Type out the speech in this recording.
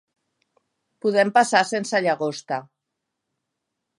Podem passar sense llagosta.